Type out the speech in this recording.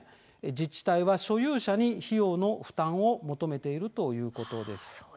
自治体は所有者に費用の負担を求めているということです。